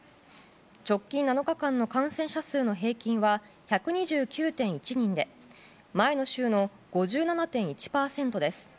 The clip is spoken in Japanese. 直近７日間の感染者の平均は１２９．１人で前の週の５７．１％です。